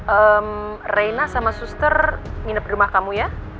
ehm reina sama suster nginep di rumah kamu ya